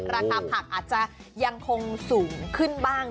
ราคาผักอาจจะยังคงสูงขึ้นบ้าง